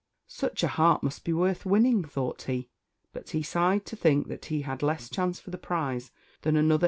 "Such a heart must be worth winning," thought he; but he sighed to think that he had less chance for the prize than another.